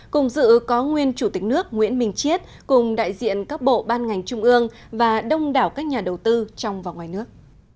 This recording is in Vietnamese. cùng dự có nguyên chủ tịch nước nguyễn minh chiết cùng đại diện các bộ ban ngành trung ương và đông đảo các nhà đầu tư trong và ngoài nước